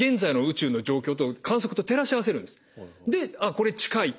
「これ近い」とか。